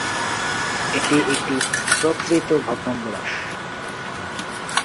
এটি একটি প্রকৃত ভগ্নম্বরশ।